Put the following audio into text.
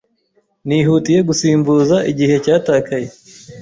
Nihutiye gusimbuza igihe cyatakaye.